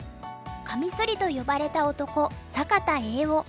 カミソリと呼ばれた男坂田栄男」。